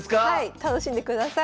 楽しんでください。